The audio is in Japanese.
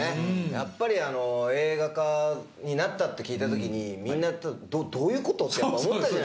やっぱり映画化になったって聞いた時にみんなどういうこと？ってやっぱ思ったじゃないですか。